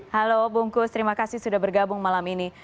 halo bungkus terima kasih sudah bergabung malam ini